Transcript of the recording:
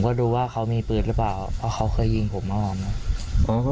และผมก็ดูว่าเขามีปืนแล้วเป่าและเขาเคยยิงผมน้ำวันนี้